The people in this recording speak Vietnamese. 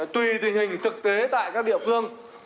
tuy tình hình thực tế tại các địa phương